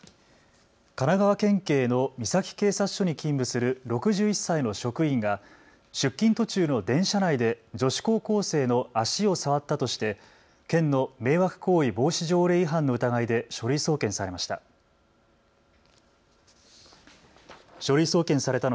神奈川県警の三崎警察署に勤務する６１歳の職員が、出勤途中の電車内で女子高校生の足を触ったとして県の迷惑行為防止条例違反の疑いで書類送検されました。